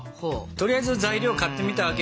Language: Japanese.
とりあえず材料買ってみたわけよ。